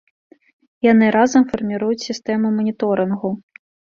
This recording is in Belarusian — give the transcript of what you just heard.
Яны разам фарміруюць сістэму маніторынгу.